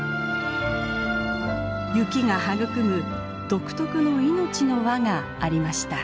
雪が育む独特の命の環がありました。